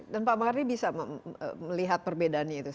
dan pak mbak hari bisa melihat perbedaannya itu